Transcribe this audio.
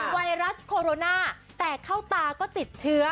ไวรัสโคโรนาแต่เข้าตาก็ติดเชื้อ